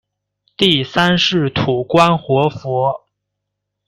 第三世土观活佛。